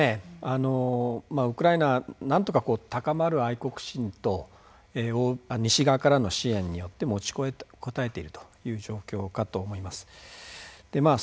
あのウクライナはなんとか高まる愛国心と西側からの支援によって持ちこたえているという状況かと思います。